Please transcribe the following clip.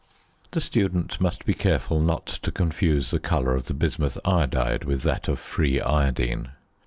The student must be careful not to confuse the colour of the bismuth iodide with that of free iodine.